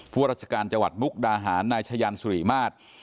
ราชการจังหวัดมุกดาหารนายชะยันสุริมาตร